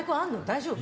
大丈夫？